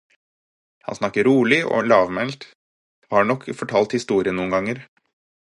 Han snakker rolig og lavmælt, har nok fortalt historien noen ganger.